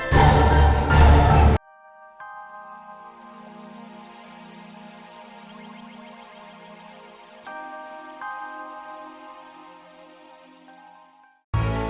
kalau rina bukan anak roy